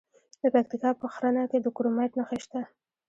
د پکتیکا په ښرنه کې د کرومایټ نښې شته.